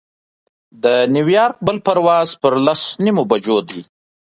د نیویارک بل پرواز پر لس نیمو بجو دی.